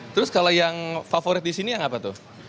terus kalau yang favorit di sini yang apa tuh